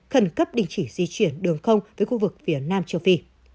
khẩn cấp đình chỉ di chuyển đường không với khu vực phía nam châu phi